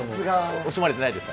惜しまれてないですか。